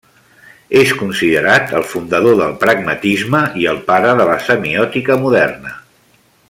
És considerat el fundador del pragmatisme i el pare de la semiòtica moderna.